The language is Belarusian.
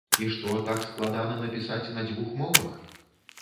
І што, так складана напісаць на дзвюх мовах?